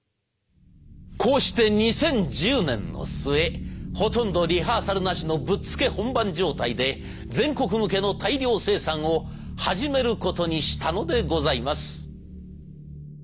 こうして２０１０年の末ほとんどリハーサルなしのぶっつけ本番状態で全国向けの大量生産を始めることにしたのでございます。